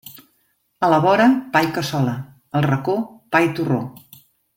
A la vora, pa i cassola; al racó, pa i torró.